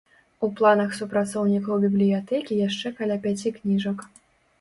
У планах супрацоўнікаў бібліятэкі яшчэ каля пяці кніжак.